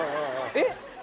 えっ？